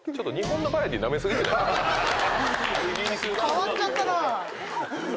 変わっちゃったな！